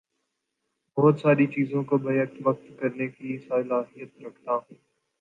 بہت ساری چیزوں کو بیک وقت کرنے کی صلاحیت رکھتا ہوں